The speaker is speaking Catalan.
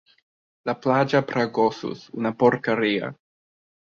La platja per a gossos, ‘una porqueria’